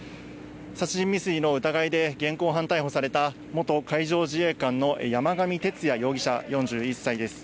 殺人未遂の疑いで現行犯逮捕された、元海上自衛官の山上徹也容疑者４１歳です。